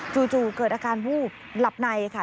จู่เกิดอาการฮู้หลับในค่ะ